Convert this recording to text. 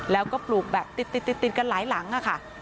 แล้วก็ปลูกแบบติดกันหลายหลังค่ะ